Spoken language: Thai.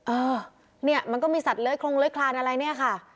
เออเนี่ยมันก็มีสัตว์เล้ยคงเล้ยคลานอะไรเนี่ยค่ะ